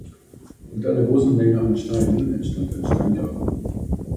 Mit einer großen Menge an Steinen entstand ein Steingarten.